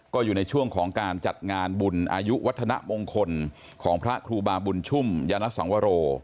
ก็อยู่ในช่วงของการจัดงานบุญอายุวัฒนมงคลของพระครูบาบุญชุ่มยานสังวโร